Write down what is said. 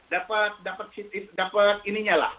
dapat ininya lah